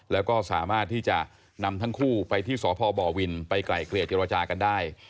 แล้วก็สามารถที่จะนำทั้งคู่ไปที่สพบวินไปไกลเกลี่ยเจรจากันได้